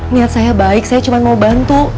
niat saya baik saya cuma mau bantu